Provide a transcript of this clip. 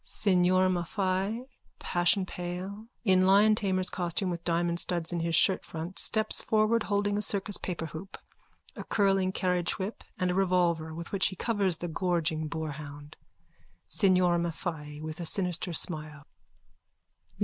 _(Signor Maffei, passionpale, in liontamer's costume with diamond studs in his shirtfront, steps forward, holding a circus paperhoop, a curling carriagewhip and a revolver with which he covers the gorging boarhound.)_ SIGNOR MAFFEI: _(With a sinister smile.)